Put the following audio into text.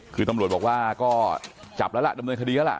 คือตำรวจบแล้วล่ะดำเนินคดีแล้วล่ะ